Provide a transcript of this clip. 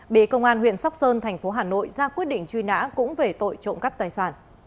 bị công an huyện sóc sơn thành phố hà nội ra quyết định truy nã cũng về tội trộm cắp tài sản